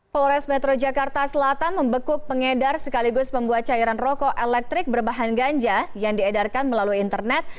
polres metro jakarta selatan membekuk pengedar sekaligus pembuat cairan rokok elektrik berbahan ganja yang diedarkan melalui internet